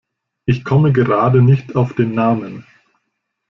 Ich komme gerade nicht auf den Namen.